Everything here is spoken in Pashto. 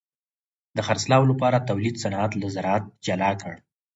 د خرڅلاو لپاره تولید صنعت له زراعت جلا کړ.